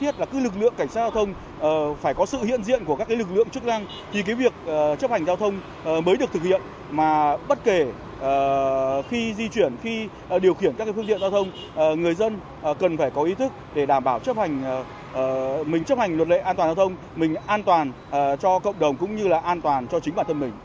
hành luật lệ an toàn giao thông mình an toàn cho cộng đồng cũng như là an toàn cho chính bản thân mình